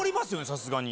さすがに。